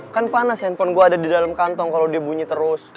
kan panas handphone gue ada di dalam kantong kalau dia bunyi terus